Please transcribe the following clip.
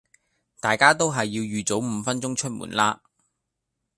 大家都係要預早五分鐘出門啦